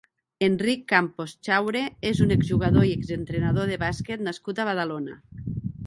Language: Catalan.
Enric Campos Chaure és un exjugador i exentrenador de bàsquet nascut a Badalona.